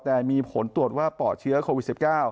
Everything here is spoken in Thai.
แต่มีผลตรวจว่าปอดเชื้อโควิด๑๙